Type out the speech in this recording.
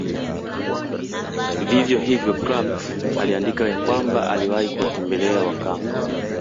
Vivyo hivyo Krapf aliandika ya kwamba aliwahi kuwatembela Wakamba